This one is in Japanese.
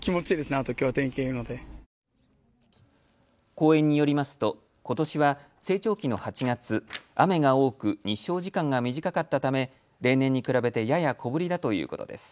公園によりますと、ことしは成長期の８月、雨が多く日照時間が短かったため例年に比べてやや小ぶりだということです。